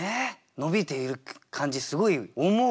伸びていく感じすごい思うわ。